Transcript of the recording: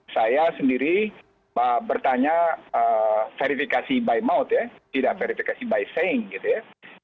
saya sendiri bertanya verifikasi by maut ya tidak verifikasi by saing gitu ya